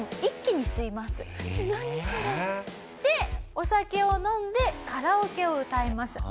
お酒を飲んでカラオケを歌います。